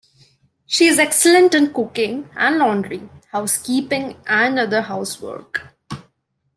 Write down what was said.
She is excellent in cooking and laundry, housekeeping and other housework.